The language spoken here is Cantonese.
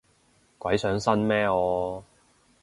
鬼上身咩我